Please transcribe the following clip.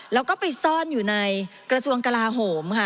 แล้วก็ไปซ่อนอยู่ในกระทรวงกลาโหมค่ะ